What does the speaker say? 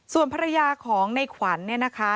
ส่วนภรรยาของในขวัญเนี่ยนะคะ